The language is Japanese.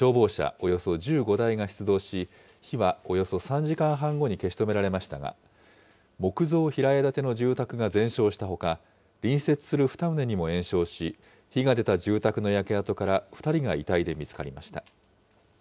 およそ１５台が出動し、火はおよそ３時間半後に消し止められましたが、木造平屋建ての住宅が全焼したほか、隣接する２棟にも延焼し、火が出た住宅の焼け跡から２人が遺体で見つかりました。